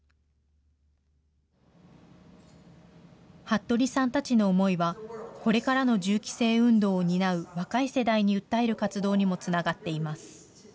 服部さんたちの思いは、これからの銃規制運動を担う若い世代に訴える活動にもつながっています。